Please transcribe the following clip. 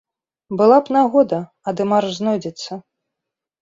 Была б нагода, а дэмарш знойдзецца.